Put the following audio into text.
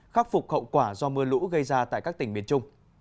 khắc phục hậu quả do mưa lũ gây ra tại các tỉnh miền trung